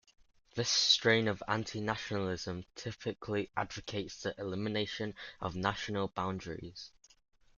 This strain of anti-nationalism typically advocates the elimination of national boundaries.